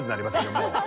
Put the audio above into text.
もう。